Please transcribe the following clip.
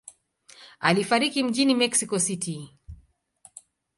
Alifariki mjini Mexico City.